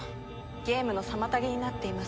ゲームの妨げになっています。